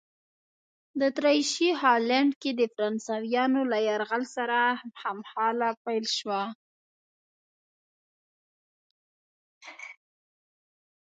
د اتریشي هالنډ کې د فرانسویانو له یرغل سره هممهاله پیل شوه.